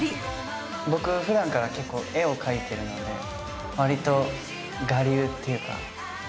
僕普段から結構絵を描いてるのでわりと我流っていうか。